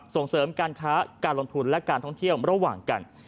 ส่งเสริมการค้าการลงทุนและการท่องเที่ยวระหว่างกัน